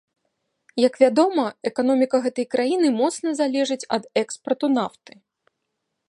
Як вядома, эканоміка гэтай краіны моцна залежыць ад экспарту нафты.